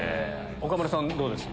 岡村さんどうです？